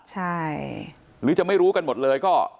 หรือจะไม่รู้กันหมดเลย